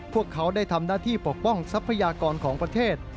พวกเขาได้ทำหน้าที่ปกป้องทรัพยากรของประเทศ